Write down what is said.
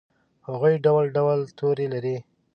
هغوي ډول ډول تورې لري